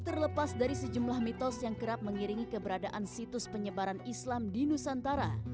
terlepas dari sejumlah mitos yang kerap mengiringi keberadaan situs penyebaran islam di nusantara